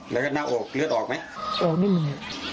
แล้วก็หน้าอกเลือดออกไหม